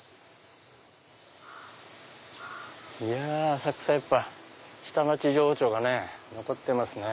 浅草やっぱ下町情緒が残ってますね。